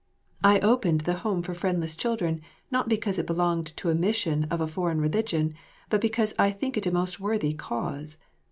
I opened the home for friendless children, not because it belonged to a mission of a foreign religion, but because I think it a most worthy cause.